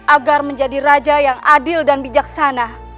agar menjadi raja yang adil dan bijaksana